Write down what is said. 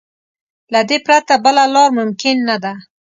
له دې پرته بله لار ممکن نه ده.